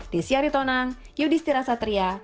di siaritonang yudhistira satria